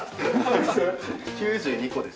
９２個です。